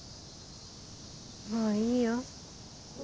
もういいよ。